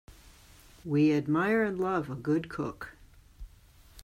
We admire and love a good cook.